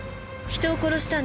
人を殺した。